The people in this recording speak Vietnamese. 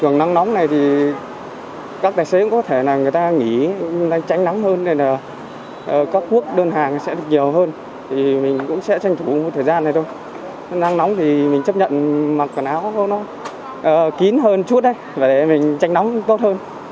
nóng thì mình chấp nhận mặc quần áo kín hơn chút để mình tránh nóng tốt hơn